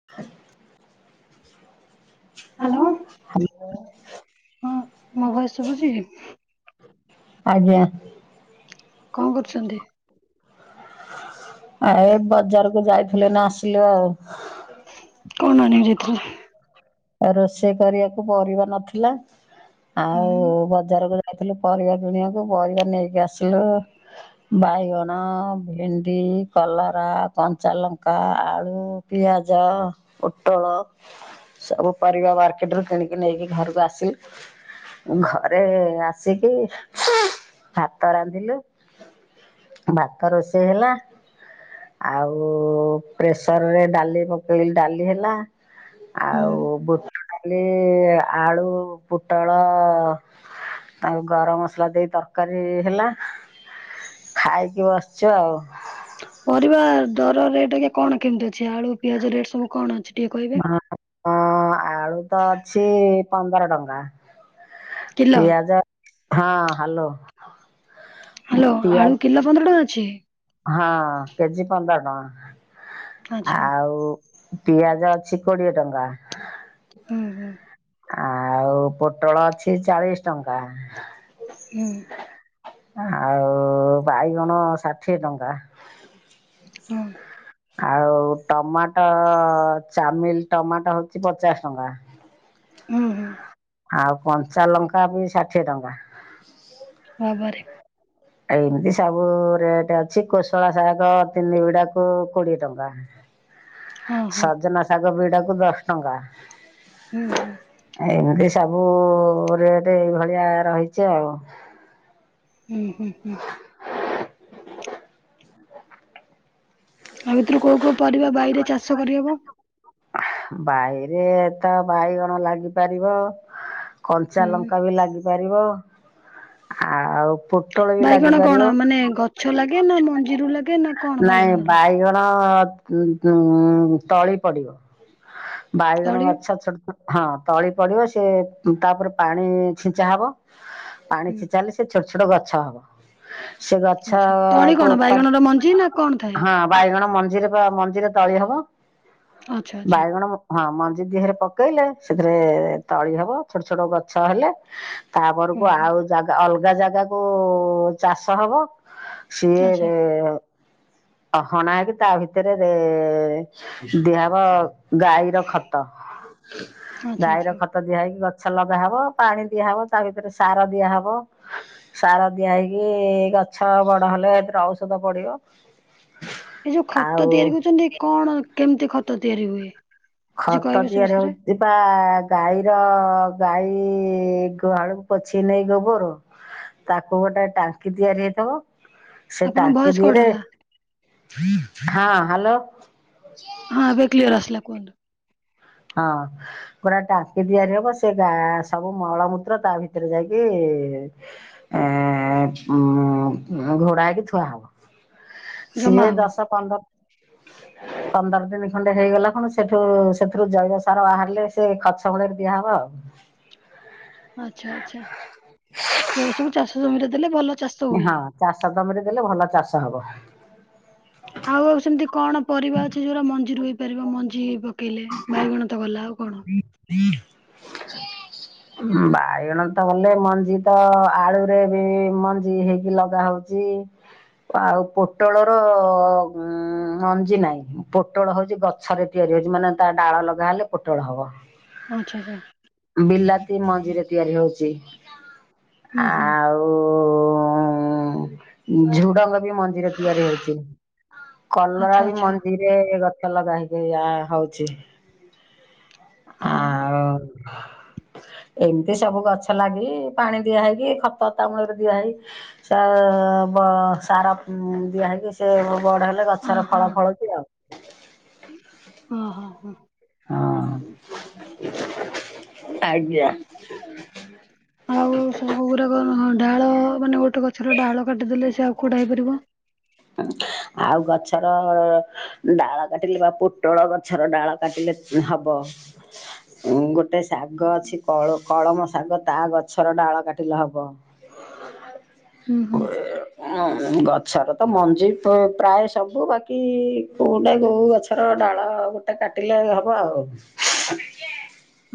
[unintelligible] Hello, ହଁ ମୋ voice ସୁବୁଛି କି? ଆଜ୍ଞା, କଣ କରୁଛନ୍ତି? ଆ ଏ ବଜାରକୁ ଯାଇଥିଲେ ନା ଆସିଲୁ ଆଉ। କଣ ଆଣିଆକୁ ଯାଇଥିଲେ? ରୋଷେଇ କରିବାକୁ ପରିବା ନଥିଲା। ହୁଁ ଆଉ-ଉ-ଉ-ଉ ବଜାର ଗ ଯାଇଥିଲୁ ପରିବା କିଣିବାକୁ ପରିବା ନେଇକି ଆସିଲୁ-ଉ-ଉ-ଉ। ବାଇଗଣ, ଭେଣ୍ଡି, କଲରା, କଞ୍ଚା ଲଙ୍କା, ଆଳୁ ପିଆଜ, ପୋଟଳ ସବୁ ପରିବା ମାର୍କେଟ ରୁ କିଣିକି ନେଇକି ଘରକୁ ଆସିଲୁ। ଘରେ ଆସିକି ଭାତ ରାନ୍ଧିଲୁ। ଭାତ ରୋଷେଇ ହେଲା। ଆଉ-ଉ-ଉ-ଉ ପ୍ରେସରରେ ଡାଲି ପକେଇ ଡାଲି ହେଲା। ହୁଁ ଆଉ ବୁଟଡାଲି, ଆଳୁ, ପୋଟଳ-ଅ-ଅ-ଅ ତାଙ୍କୁ ଗରମ ମସଲା ଦେଇ ତରକାରୀ ହେଲା। ଖାଇକି ବସିଛୁ ଆଉ। ପରିବା ଦର ରେଟ୍ ଏଇକା କଣ କେମିତି ଅଛି ଆଳୁ, ପିଆଜ ରେଟ୍ ସବୁ କଣ ଅଛି? ଟିକେ କହିବେ? ହଁ-ଅ-ଅ ଆଳୁ ତ ଅଛି ପନ୍ଦର ଟଙ୍କା। କିଲୋ ପିଆଜ ହଁ ହିଲୋ ହ୍ୟାଲୋ ଆଳୁ କିଲୋ ପନ୍ଦର ଟଙ୍କା ଅଛି? ହଁ କେଜି ପନ୍ଦର ଟଙ୍କା, ଆଚ୍ଛା ଆଉ-ଉ-ଉ-ଉ ପିଆଜ ଅଛି କୋଡିଏ ଟଙ୍କା। ହୁଁ ହୁଁ। ଆଉ-ଉ-ଉ ପୋଟଳ ଅଛି ଚାଳିଶ ଟଙ୍କା। ହୁଁ, ଆଉ-ଉ-ଉ-ଉ ବାଇଗଣ ଷାଠିଏ ଟଙ୍କା। ହୁଁ, ଆଉ ଟମାଟୋ-ଓ-ଓ-ଓ ଚାମିଲ ଟମାଟୋ ହଉଛି ପଚାଶ ଟଙ୍କା। ହୁଁ ହୁଁ, ଆଉ କଞ୍ଚାଲଙ୍କା ବି ଷାଠିଏ ଟଙ୍କା। ବା ବା ରେ। ଏମିତି ସବୁ-ଉ-ଉ-ଉ ରେଟ୍ ଅଛି କୋଶଳା ଶାଗ ତିନି ବିଡାକୁ କୋଡିଏ ଟଙ୍କା। ହଁ ହଁ ସଜନା ଶାଗ ବିଡାକୁ ଦଶ ଟଙ୍କା। ହୁଁ ହୁଁ, ଏମିତି ସବୁ-ଉ-ଉ-ଉ ରେଟ୍ ଏଇଭଳିଆ ରହିଛି ଆଉ। ହୁଁ ହୁଁ ହୁଁ, ଆଉ ଭିତରୁ କୋଉ କୋଉ ପରିବା ବାଇରେ ଚାଷ କରିହବ? ବାଇରେ ତ ବାଇଗଣ ଲାଗିପାରିବ। କଞ୍ଚା ହୁଁ ଲଙ୍କା ବି ଲାଗିପାରିବ। ଆଉ-ଉ-ଉ ପୋଟଳ ବି ବାଇଗଣ କଣ ଲାଗିପାରିବ ମାନେ ଗଛ ଲାଗେ ନା ମଞ୍ଜିରୁ ଲାଗେ ନା କଣ ନାଇଁ ବାଇଗଣର? ବାଇଗଣ ଉ ଉଁ ତଳି ପଡିବ ବାଇଗଣ ତଳି ଗଛ ଛୋଟ ଛୋଟ ହଁ ତଳି ପଡିବ ସେି ତାପରେ ପାଣି ଛିଞ୍ଚା ହବ ପାଣି ହୁଁ ଛିଞ୍ଚାଲେ ସେ ଛୋଟ ଛୋଟ ଗଛ ହବ ସେ ଗଛ ଆଚ୍ଛା ତଳି କଣ କ ବାଇଗଣର ମଞ୍ଜି ନା କଣ ଥାଏ ହ ବାଇଗଣ ମଞ୍ଜିରେ ମଞ୍ଜିରେ ତଳି ହବ ଆଚ୍ଛା ଆଚ୍ଛା ବାଇଗଣ ହଁ ମଞ୍ଜି ଦିହରେ ପକେଇଲେ ସେଥିରେ ତଳି ହବ ଛୋଟ ଛୋଟ ଗଛ ହେଲେ ହୁଁ ତାପରକୁ ହୁଁ ଆଉ ଜାଗା ଅଲଗା ଜାଗାକୁ ଚାଷ ହବ ଆଚ୍ଛା ସିଏରେ ଅହଣା ହେଇକି ତା ଭିତରେ ଦିଆହବ ଗାଈର ଖତ ଆଚ୍ଛା ଆଚ୍ଛା ଗାଈର ଖତ ଭତ ଦିଆହଇକି ଗଛ ଲଗା ହବ ପାଣି ଦିଆହବ ତା ଭିତରେ ସାର ଦିଆହେବ ସାର ଦିଆ ହେଇକି ଗଛ ବଡ ହେଲେ ଏଥିରେ ଔଷଧ ପଡିବ ଏ ଯୋଉ ଖତ ଆଉ ତିଆରି କରୁଛନ୍ତି କଣ କେମିତି ଖତ ତିଆରି ହୁଏ କିଛି ଖାତା କହିବେ ସେ ଦତିଆରେଉ ବିଷୟରେ ଯିବା ଗାଈର ଗାଈ ଗହାଳକୁ ପଛି ନେଇ ଗବୁରୁ ତାକୁ ଗୋଟେ ଟାଙ୍କି ତିଆରି ହେଇଥିବ ସେ ଆପଣଙ୍କ ଟାଙ୍କି ଭଏସ କୋଉଠି ଦିରେ ହେଲା ହଁ ହ୍ୟାଲୋ ହଁ ଏବେ କ୍ଲିୟର ଆିଲ କହ ହଁ ପୁରା ଟାଙ୍କି ତିଆରି ହବ ସେ ଗା ସବୁ ମଳମୂତ୍ର ତା ଭିତରେ ଯାଇକି ଏ ଉ ଘୋଡ଼ା ହେକି ଥୁଆ ହବ ଜମା ସିଏ ହବ ଦଶ ପନ୍ଦର ପନ୍ଦର ଦିନ ଖଣ୍ଡେ ହେଇଗଲା ପଣ ସେଠୁ ସେ ସେଥିରୁ ଜୈବ ସାର ବାହାରିଲେ ସେ ଖଛ ମୂଳରେ ଦିଆହେବ ଆଉ ଆଚଛା ଆଚଛା ସେ ସବୁ ଚାଷ ଜମିରେ ଦେଲେ ଭଲ ଚାଷ ହୁଏ। ହଁ ଚାଷ ଦମରେ ଦେଲେ ଭଲ ଚାଷ ହବ ଆଉ ଆଉ ସେମିତି କଣ ପରିବା ଅଛି ଯୋଉଡା ମଞ୍ଜିରୁ ହେଇପାରିବ ମଞ୍ଜି ହେଇବା ପକେଇଲେ ବାଇଗଣ ତ ଗଲା ଆଉ କଣ ଇ ବାଇଗଣ ତ ଗଲେ ମଞ୍ଜି ତ ଆଳୁରେ ବି ମଞ୍ଜି ହେଇକି ଲଗା ହଉଚ ଆଉ ପୋଟଳର ମଞ୍ଜି ନାହିଁ ପୋଟଳ ହଉଛି ଗଛ ଛରେ ତିଆରି ହଉଛି ମାନେ ତା ଡାଳ ଲଗା ହେଲେ ପୋଟଳ ହବ ଆଚ୍ଛା ଆଚ୍ଛା ବିଲାତି ମଞ୍ଜିିରେ ତିଆରି ହଉଛି ହୁଁ ହୁଁ ଆଉ ଝୁଡଙ୍ଗ ବି ମ ମନ୍ଦି ତିଆରି ହଉଛି ଆଚ୍ଛା କଲରା ବି ଆଚ୍ଛା ମନ୍ଦିର ଟ ଗଛ ଲଗା ହେକି ୟା ହଉଛି ହଁ ଆଉ ଏମିତି ସବୁ ଗଛ ଲାଗି ପାଣି ଦିଆହଇକି ଖତ ତାମୂଳରେ ଦିଆହେଇ ସେ ବ ସାର ଦିଆ ହେଇକି ସେ ବଢ ଗଛର ହଁ ହଁ ଫଳ ଫଳ କି ଆଉ ହଁ ହୋ ହୋ ହଁ ଆଜ୍ଞା ଆଉ ସବୁ କ ଗୁଡା କଁ ଡାଳ ମାନେ ଗୋଟେ କଥା ଗଛର ଡାଳ କାଟିଦଲେ ସେ ଆଉଡ଼ା ହୋଇପିବ ହ ଆଉ ଗଛର ଡାଳ କାଟିଲେ ବା ପୋଟଳ ଗଛର ଡାଳ କାଟିଲେ ହବ ହଁ ଗୋଟେ ଶାଗ ଅଛିଳ କଳମ ଶାଗ ତା ଗଛର ଡାଳ କାଟିଲେ ହବ ହୁଁ ହୁଁ ଉଁ ଗଛର ତ ମଞ୍ଜି ପା ପ୍ରାୟ ସବୁ ବାକି କୋଉଟା କୋଉ ଗଛ ତ ଡାଳ ଗୋଟେ କାଟିଲେ ହବ ଆଉ।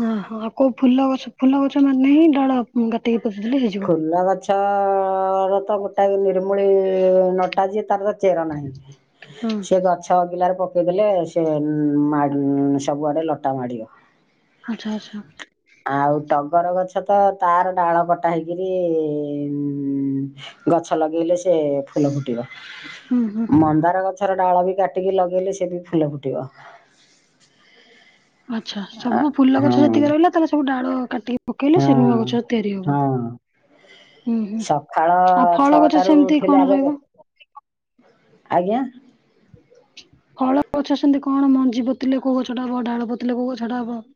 ହହୋ ଆଉ କୋଉ ଫୁଲ ଗଛ ଫୁଲ ଗଛ ମାନେ ହିଁ ଡାଳ କାଟିକି ପୋଟିଦେଲେ ହେଇଯିବ। ଚ ର ତ ଗ ତ ନିର୍ମୂଳ ନଟା ଯିଏ ତାର ତ ଚେର ନାହିଁ ହୁଁ ସି ଗଛ ଛଅ ଗିଲାରେ ପକେଇଦେଲେ ସେ ଉଁ ମା ସବୁଆଡ଼େ ଲଟା ମାଡ଼ିବ। ଆଚ୍ଛା ଆଚ୍ଛା। ଆଉ ଟଗର ଗଛ ତ ତାର ଡାଳ ପଟ ଟା ହେକ ଉଁ ଗଛ ଲଗେଇଲେ ସେ ଫୁଲ ଫୁଟିବ, ହୁଁ ହୁଁ। ମନ୍ଦାର ଗଛର ଡାଳ ବି କାଟିକି ଲଗେଇଲେ ସେ ବି ଫୁଲ ଫୁଟିବ। ଆଚ୍ଛା ସବୁ ଫୁଲ ଗଛ ହଁ। ଯେତିକ ରହିଲା ତାହେଲେ ସବୁ ଡାଳ କାଟି ପକେଇଲେ ହଁ ସେ ନୂଆ ଗଛ ତିଆରି ହବ। ହଁ ଉଁ ହୁଁ ସକାଳ ଆଉ ଫଳ ଗଛ ଛଅଟାରୁ ସେମିତି ଉଠିଲେ ଆଗ କଣ ବ- ରହିବ? ଆଜ୍ଞା। ଫଳ ଗଛ ସେମିତି କଣ ମଞ୍ଜି ପୋତିଲେ କୋଉ ଗଛଟା ହବ ଡାଳ ପୋତିଲେ କୋଉ ଗଛଟା ହବ?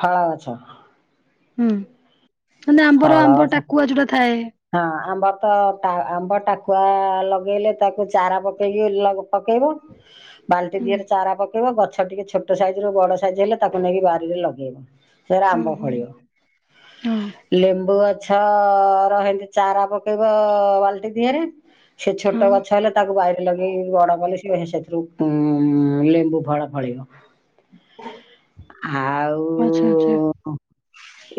ଫଳ ଗଛ। ହୁଁ ନା ଆମ୍ବର ଫଳ ଆମ୍ବ ଗଛ ଟାକୁଆ ଯୋଉଟା ଥାଏ। ହଁ ଆମ୍ବ ତ ପା ଆମ୍ବ ଟାକୁଆ ଲଗେଇଲେ ତାକୁ ଚାରା ପକେଇକି ଲ ପକେଇବ ବାଲଟି ହୁଁ ଦିହରେ ଚାରା ପକେଇବ। ଗଛ ଟିକେ ଛୋଟ ସାଇଜ ରୁ ବଡ ସାଇଜ ହେଲେ ତାକୁ ନେଇକି ବାରିରେ ଲଗେଇବ ଫେରେ ଆମ୍ବ ଫଳିବ। ଓହୋ। ଲେମ୍ବୁ ଗଛ ରହିଲ ଚାରା ପକେଇବ ବାଲଟି ଦିହରେ ସେ ହଁ ଛୋଟ ଗଛ ହେଲେ ତାକୁ ବାରିରେ ଲଗେ ଇ ବଡ କଲେ ସ ସେଥିରୁ ଉଁ ଲେମ୍ବୁ ଫଳ ଫଳିବ। ଆଉ ଆଚ୍ଛା ଆଚ୍ଛା। ଓ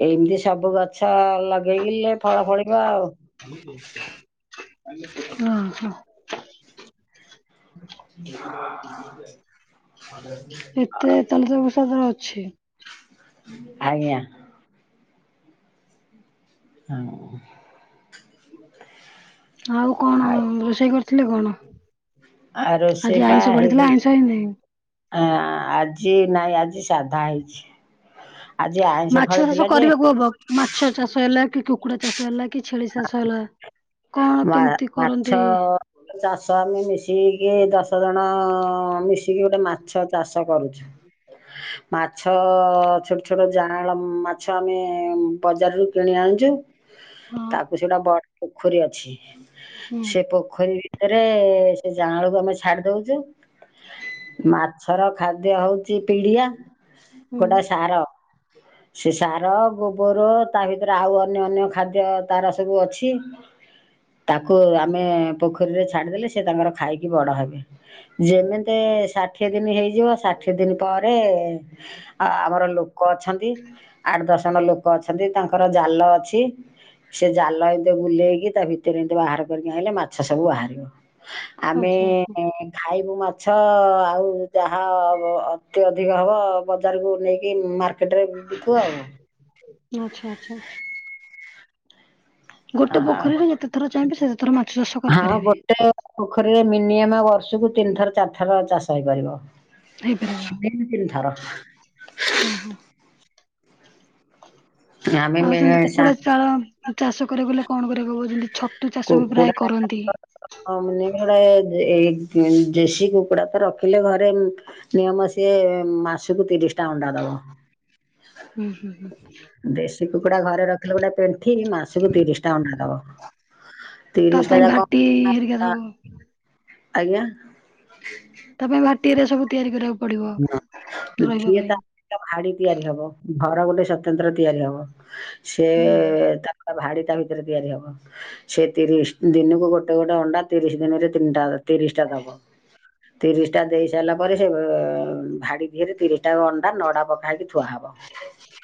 ଏମିତି ସବୁ ଗଛ ଲଗେଇଲେ ଫଳ ଫଳିବ ଆଉ। ଓହୋ। [unintelligible] ଏତେ ତାହେଲେ ସେ ବିସ୍ଵାଷ ଅଛି। ଆଜ୍ଞା। ହଁ। ଆଉ କ ଆଇ। ରୋଷେଇ କରିଥିଲେ କଣ ଆଉ ରୋଷେଇ ଆଜି ଆଇଁଷ ପାଳିଥିଲା ଆଇଁଷ ହେଇନି? ହଁ ଆଜି ନାଇଁ ଆଜି ସାଧା ହେଇଛି। ଆଜି ଆଇଁଷ ମାଛ ଚାଷ ଫଳିଥିଲା ଯେ କରିବାକୁ ହବ ମାଛ ଚାଷ ହେଲା କି କୁକୁଡା ଚାଷ ହେଲା କି ଛେଳି ଚାଷ ହେଲା କଣ ମା କେମିତି ମାଛ କରନ୍ତି? ଚାଷ ଆମେ ମିଶିକି ଯେ ଦଶ ଜଣ ମିଶିକି ଗୋଟେ ମାଛ ଚାଷ କରୁଛୁ। ମାଛ ଛୋଟ ଛୋଟ ଜାଆଁଳ ଉଁ ମାଛ ଆମେ ବଜାରରୁୁ କିଣି ଆଣୁଛୁ। ହଁ। ତାକୁ ସେଟା ବଡ ପୋଖରୀ ଅଛି, ହୁଁ ସେ ପୋଖରୀ ରେ ସେ ଜାଆଁଳକୁ ଆମେ ଛାଡି ଦଉଛୁ ମାଛର ଖାଦ୍ୟ ହଉ ଛି ପିଡିଆ ହୁଁ। ଗୋଟାଏ ସାର ସେ ସାର, ଗୋବର ତା ଭିତରେ ଆଉ ଅନ୍ୟ ଅନ୍ୟ ଖାଦ୍ୟ ତାର ସବୁ ଅଛି। ତାକୁ ଆମେ ପୋଖରୀରେ ଛାଡିଦେଲେ ସେ ତାଙ୍କର ଖାଇକି ବଡ ହେବେ। ଯେମିତି ଷାଠିଏ ଦିନି ହେଇଯିବ ଷାଠିଏ ଦିନି ପରେ ଆ ଆମର ଲୋ ଲୋକ ଅଛନ୍ତି ଆଠ ଦଶ ଜଣ ଲୋକ ଅଛନ୍ତି ତାଙ୍କର ଜାଲ ଅଛି। ସେ ଜାଲ ଏମିତି ବୁଲେଇକି ତା ଭିତରେ ଏମିତି ବାହାର କରିକି ଆଇଁଲେ ମାଛ ସବୁ ବାହାରିବ। ଆମେ ଆଚ୍ଛା ଆଚ୍ଛା ଏ ଖାଇବୁ ମାଛ ଆଉ ଯାହା ଅବ୍ ଅତି ଅଧିକ ହବ ବଜାରକୁ ନେଇକି ମାର୍କେଟ ରେ ବିକି ବୁ ଆଉ କଣ ଆଚ୍ଛା ଆଚ୍ଛା। ଗୋଟେ ପୋଖରୀ ରେ ଯେତେ ଥର ଚାହିଁବେ ସେତେ ଥର ମାଛ ଚାଷ ହଁ କରିପାରିବେ। ଗୋଟେ ପୋଖରୀରେ ମିନିମମ ବର୍ଷକୁ ତିନି ଥର ଚାରିଥର ଚାଷ ହେଇପାରିବ। ହେଇପାରିବ ତିନି ଥର ଓ ହୋ। ଆମେ ଆଉ ସେମିତି କୁକୁଡା ଚାଳ ଚାଷ କରିବାକୁ ହେଲେ କଣ କରିବାକୁ ହବ? ଯେମିତି ଛ କୁକୁଡ଼ା ଚାଷ ହଁ ମାନେ ଏଇ ଇଁ ଦେଶୀ କୁକୁଡା ତ ରଖିଲେ ଘରେ ଉଁ ନିୟମ ସିଏ ମାସକୁ ତିରିଶ ଟା ଅଣ୍ଡା ଦବ ହୁଁ ହୁଁ ହୁଁ ଦେଶୀ କୁକୁଡା ଘରେ ରଖିଲେ ଗୋଟେ ପେଣ୍ଠି ମାସକୁ ତିରିଶି ଟା ଅଣ୍ଡା ଦବ। ତା ତିରିଶ ଟା ପାଇଁ ଯାକ ଭାଟି ହେରିକା ଅ ସବୁ ଆଜ୍ଞା। ତା ପାଇଁ ଭାଟିରେ ସବୁ ତିଆରି କରିବାକୁ ପଡିବ ରହିବା ସିଏ ତା ପାଇଁ। ଭାଡି ତିଆରି ହବ ଘର ଗୋଟେ ସ୍ଵତନ୍ତ୍ର ତିଆରି ହବ ସେ ହୁଁ ତା ଭାଡି ତା ଭିତରେ ତିଆରି ହବ ସେ ତିରିଶ ଦିନକୁ ଗୋଟେ ଗୋଟେ ଅଣ୍ଡା ତିରିଶ ଦିନରେ ତିନିଟା ତିରିଶ ଟା ଦବ ତିରିଶ ଟା ଦେଇ ସାରିଲା ପରେ ସେ ଭାଡି ଧିରେ ତିରିିଟା ଯାଙ୍କ ଅଣ୍ଡା ନଡା ପକା ହେଇକି ଥୁଆ ହବ।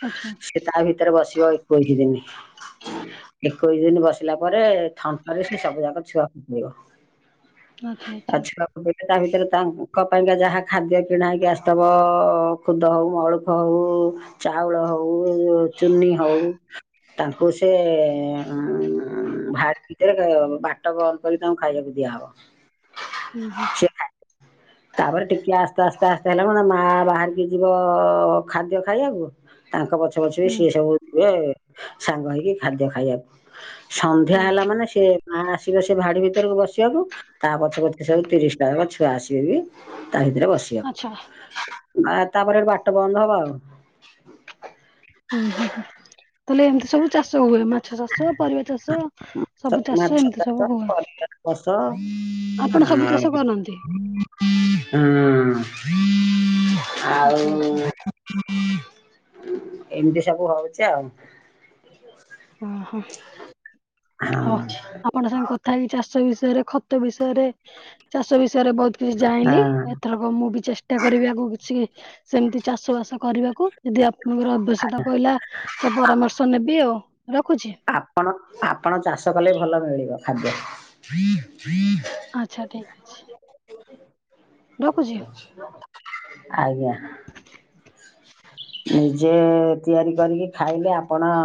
ଆଚ୍ଛା ତା ଭିତରେ ବସିବ ଏକୋଇଶି ଦିନି। ଏକୋଇଶି ଦିନ ବସିଲା ପରେ ଥଣ୍ଟ ରେ ସେ ସବୁଯାକ ଛୁଆକୁ ଫୁଟିବ। ଆଚ୍ଛା ଆଚ୍ଛା ଆଛା [unintelligible] ତା ଭିତରେ ତାଙ୍କ ପାଇଁକା ଯାହା ଖାଦ୍ୟ କିଣା ହେଇକି ଆସିଥିବ ଖୁଦ ହଉ ମଳୁଖ ହଉ ଚାଉଳ ହଉ ହଉ ଚୁନି ହଉ ତାଙ୍କୁ ସେ ଉଁ ଭାଡି ଭିତରେ ବାଟ ବନ୍ଦ କରିିକି ତାଙ୍କୁ ଖାଇବାକୁ ଦିଆହବ। ହୁଁ ହୁଁ ସେ ଖାଇବ ତାପରେ ଟିକେ ଆସ୍ତେ ଆସ୍ତେ ଆସ୍ତେ ହେଲା ମା ବାହାରି କି ଯିବ ଖାଦ୍ୟ ଖାଇବାକୁ ତାଙ୍କ ପଛ ପଛ ବି ହୁଁ ସିଏ ସବୁଯିବେ ସାଙ୍ଗ ହେଇକି ଖାଦ୍ୟ ଖାଇବାକୁ ସନ୍ଧ୍ୟା ହେଲା ଓହୋ ମାନେ ସେ ମା ଆସିବେ ସେ ଭାଡି ଭିତରକୁ ବସିବାକୁ ତା ପଛେ ପଛେ ସବୁ ତିରିଶ ଟା ଯାକ ଛୁଆ ଆସିବେ ବି ତା ଭିତରେ ଆଚ୍ଛା ବସିବାକୁ ମା ତାପରେ ବାଟ ବନ୍ଦ ହବ ଆଉ। ହୁଁ ହୁଁ ହୁଁ ତାହେଲେ ଏମିତି ସବୁ ଚାଷ ହୁଏ ମା ମାଛ ଚାଷ ପରିବା ଚାଷ ସ- ସବୁ ମାଛ ଚାଷ ଏମିତି ସବୁ ହୁଏ। ପରିବା ଚାଷ ଆପଣ ସବୁ ଆଉ ଚାଷ କରନ୍ତି? ହୁଁ। ଆଉ ଆଚ୍ଛା ଆଚ୍ଛା। ଏମିତି ସବୁ ହଉଛି ଆଉ। ଓହୋ ହଉ ହଁ ଆପ୍ ଆପଣ ସାଙ୍ଗେ କଥା ହେଇକି ଚାଷ ବିଷୟରେ ଖତ ବିଷୟରେ ଚାଷ ବିଷୟରେ ବହୁତ କିଛି ଜାଣିଲି ହଁ ଏଥର ଆ ମୁଁ ବି ଚେଷ୍ଟା କରିବି ଆଗକୁ କିଛି ସେମିତି ଚାଷ ବାସ କରିବାକୁ ଯଦି ଆପଣଙ୍କର ଆବଶ୍ୟକତା ପଇଲା ତ ପରାମର୍ଶ ନେବି ଆଉ ରଖୁଛି। ଆପଣ ଆପଣ ଚାଷ କଲେ ଭଲ ମିଳିବ ଖାଦ୍ୟ। ଆଚ୍ଛା ଠିକ୍ ଅଛି। ରଖୁଛି? ଆଜ୍ଞା। ନିଜେ ତିଆରି କରିକି ଖାଇଲେ ଆପଣ